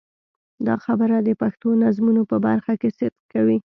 دا خبره د پښتو نظمونو په برخه کې صدق کوي.